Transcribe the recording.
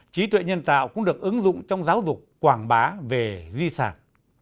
trí tuệ nhân tạo cũng được ứng dụng trong giáo dục quảng bá về di sản